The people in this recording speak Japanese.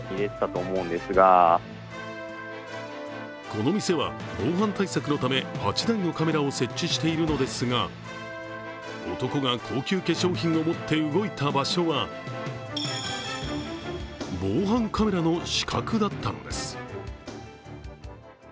この店は防犯対策のため、８台のカメラを設置しているのですが、男が高級化粧品を持って動いた場所は防犯カメラの死角だったのです。